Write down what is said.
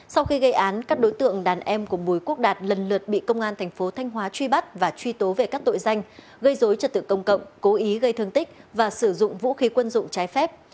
sau khi gây án các đối tượng đàn em của bùi quốc đạt lần lượt bị công an thành phố thanh hóa truy bắt và truy tố về các tội danh gây dối trật tự công cộng cố ý gây thương tích và sử dụng vũ khí quân dụng trái phép